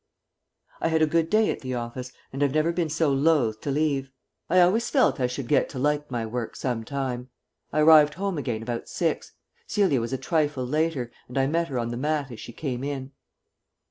I had a good day at the office and have never been so loth to leave. I always felt I should get to like my work some time. I arrived home again about six. Celia was a trifle later, and I met her on the mat as she came in.